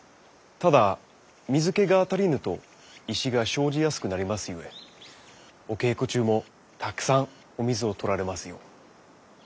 ただ水けが足りぬと石が生じやすくなりますゆえお稽古中もたくさんお水をとられますよう。